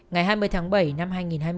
ngày hai mươi tháng bảy năm hai nghìn hai mươi